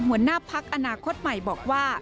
หัวหน้าพักอนาคตใหม่บอกว่า